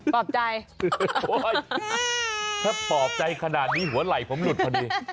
ปลอบใจโอ๊ยถ้าปลอบใจขนาดนี้หัวไหล่ผมหลุดพอดี